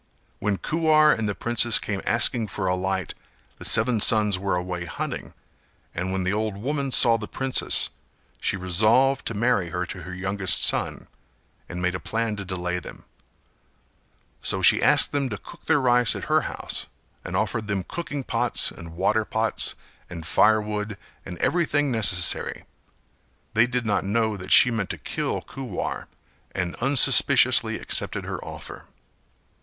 When Kuwar and the princess came asking for a light the seven sons were away hunting and when the old woman saw the princess she resolved to marry her to her youngest son, and made a plan to delay them; so she asked them to cook their rice at her house and offered them cooking pots and water pots and firewood and everything necessary; they did not know that she meant to kill Kuwar and unsuspiciously accepted her offer.